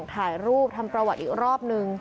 ถ่ายรูปทำประวัติอีกรอบนึง